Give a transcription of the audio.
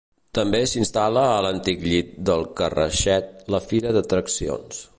També s'instal·la a l'antic llit del Carraixet la fira d'atraccions.